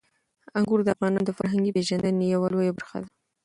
انګور د افغانانو د فرهنګي پیژندنې یوه لویه برخه ده.